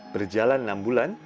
berjalan enam bulan